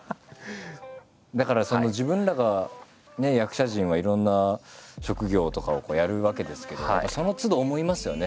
だから自分らがね役者陣はいろんな職業とかをやるわけですけどそのつど思いますよね